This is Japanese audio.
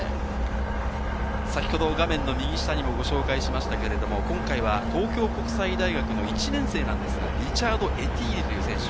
先ほど画面の右下にもご紹介しましたけれども、今回は東京国際大学の１年生なんですが、リチャード・エティーリ選手。